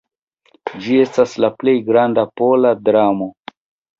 Ĝi estas la plej granda pola dramo.